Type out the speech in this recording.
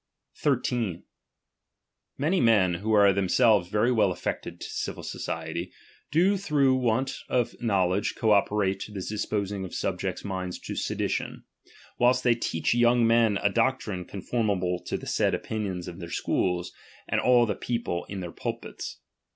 13, Many men, who are themselves very well^ affected to civil society, do through want ofknovtr pi ledge co operate to the disposing of subjects' ui miuds to sedition, whilst they teach young men a t doctrine conformable to the said opinions in their " scliools, and all the people in their pulpits.